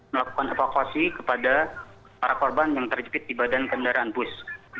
melakukan evakuasi kepada para korban yang terjepit di badan kendaraan bus